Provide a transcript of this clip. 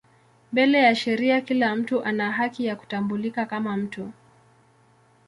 Mbele ya sheria kila mtu ana haki ya kutambulika kama mtu.